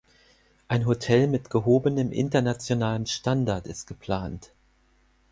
Ein Hotel mit gehobenem internationalem Standard ist geplant.